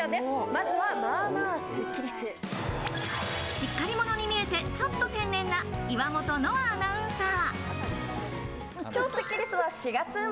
しっかりものに見えて、ちょっと天然な岩本乃蒼アナウンサー。